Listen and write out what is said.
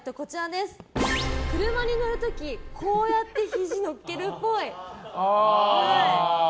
車に乗る時こうやってひじ乗っけるっぽい。